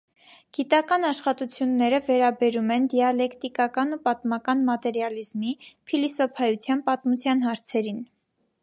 Գիտական աշխատությունները վերաբերում են դիալեկտիկական ու պատմական մատերիալիզմի, փիլիսոփայության պատմության հարցերին։